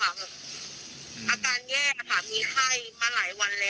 อาการแย่นะคะมีไข้มาหลายวันแล้ว